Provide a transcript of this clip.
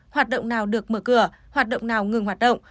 hoạt động nào được mở cửa hoạt động nào ngừng hoạt động